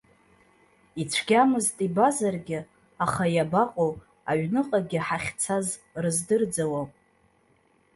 Ицәгьамызт ибазаргьы, аха иабаҟоу аҩныҟагьы ҳахьцаз рыздырӡауам.